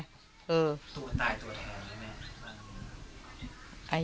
ตัวตายตัวแทน